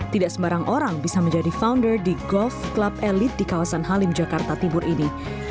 tidak sembarang orang bisa menjadi founder di golf club elit di kawasan halim jakarta timur ini